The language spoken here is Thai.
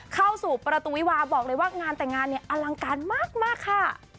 เข้าสู่ประตูวิวาบอกเลยว่างานแต่งงานเนี่ยอลังการมากค่ะ